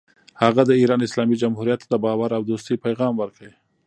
هغه د ایران اسلامي جمهوریت ته د باور او دوستۍ پیغام ورکړ.